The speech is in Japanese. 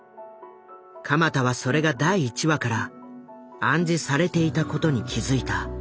鎌田はそれが第１話から暗示されていたことに気付いた。